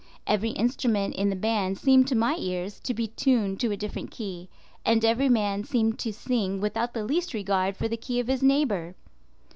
Every instrument in the band seemed to my ears to be tuned to a different key, and every man seemed to sing without the least regard for the key of his neighbor.